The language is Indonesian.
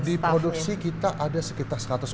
di produksi kita ada sekitar seratus orang